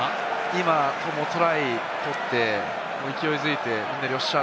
今トライ取って勢いづいて、よっしゃ！